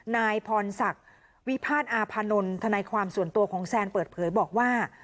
นายพรศักดิ์วิพาทอาพานนท์ทนายความส่วนตัวของแซนเปิดเผยบอกว่า